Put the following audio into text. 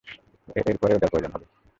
ওর পরে এটার প্রয়োজন হবে।